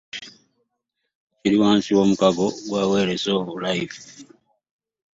Kiri wansi w'omukago gwa Wells of Life.